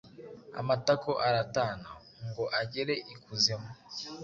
Amatako aratana. Ngo agere i kuzimu